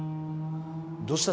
どうした？